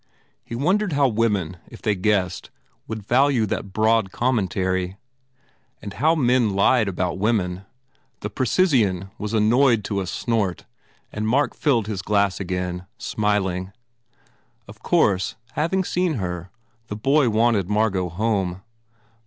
He wondered how women, if they guessed, would value that broad commen tary. And how men lied about women ! The precisian was annoyed to a snort and Mark filled his glass again, smiling. Of course, having seen her, the boy wanted Margot home.